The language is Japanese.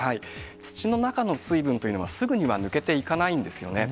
土の中の水分というのは、すぐには抜けていかないんですよね。